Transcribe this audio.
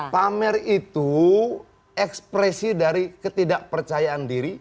pamer itu ekspresi dari ketidakpercayaan diri